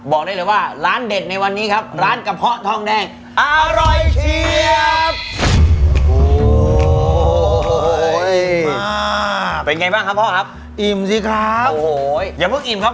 บอกได้เลยว่าร้านเด็ดในวันนี้ครับร้านกระเพาะทองแดงอร่อยเชียบ